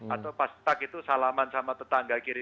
atau pas tak itu salaman sama tetangga kiri